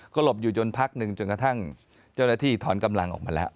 ก็หลบอยู่จนพักหนึ่งจนกระทั่งเจ้าหน้าที่ถอนกำลังออกมาแล้ว